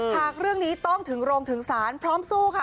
หากเรื่องนี้ต้องถึงโรงถึงศาลพร้อมสู้ค่ะ